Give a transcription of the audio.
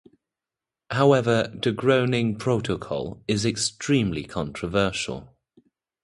However, the Groningen Protocol is extremely controversial.